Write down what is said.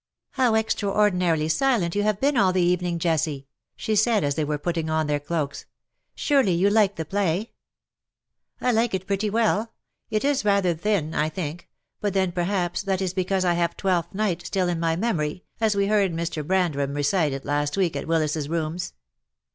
" How extraordinarily silent you have been all the evening, Jessie \" she said, as they were putting on their cloaks; "surely, you like the play V " I like it pretty well. It is rather thin, I think ; but then, perhaps, that is because T have ' Twelfth Night ' still in my memory, as we heard Mr. Brandram recite it last week at Willises K ooms.